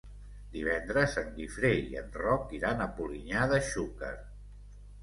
Divendres en Guifré i en Roc iran a Polinyà de Xúquer.